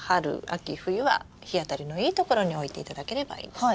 冬は日当たりのいい所に置いていただければいいです。